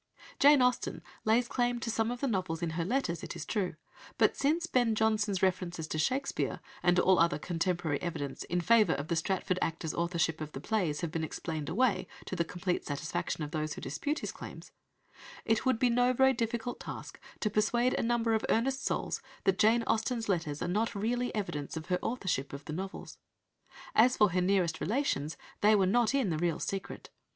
Jane Austen lays claim to some of the novels in her letters, it is true, but, since Ben Jonson's references to Shakespeare, and all other contemporary evidence in favour of the Stratford actor's authorship of the plays have been explained away to the complete satisfaction of those who dispute his claims, it would be no very difficult task to persuade a number of earnest souls that Jane Austen's letters are not really evidence of her authorship of the novels. As for her nearest relations, they were not in the real secret.